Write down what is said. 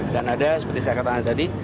dan ada seperti saya katakan tadi